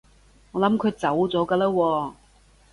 我諗佢走咗㗎喇喎